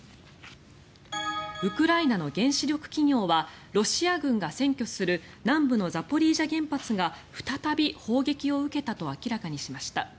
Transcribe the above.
ウクライナの原子力企業はロシア軍が占拠する南部のザポリージャ原発が再び砲撃を受けたと明らかにしました。